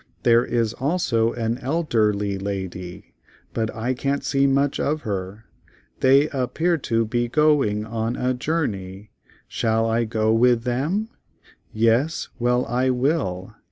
There is al so an el der ly la dy, but I can't see much of her. They appear to be go ing on a jour ney, shall I go with them? Yes, well I will.